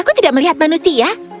kita akan melihat manusia